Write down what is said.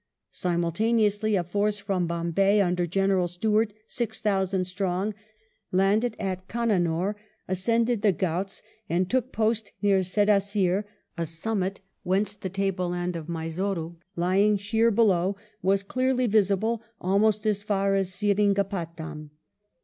Simultaneously, a force from Bombay under General Stuart, six thousand strong, landed at Cannanore, ascended the Ghauts, and took post near Sedaseer, a summit whence the table land of Mysore, lying sheer below, was clearly visible almost as far as Seringapatam.